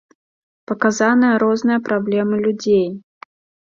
Паказаныя розныя праблемы людзей.